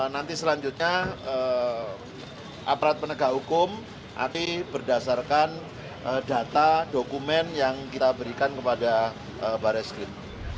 nanti selanjutnya aparat penegak hukum nanti berdasarkan data dokumen yang kita berikan kepada baris krim